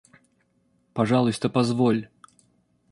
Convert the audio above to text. Пожалуйста, позволь!